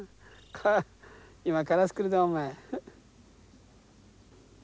今カラス来るぞお前。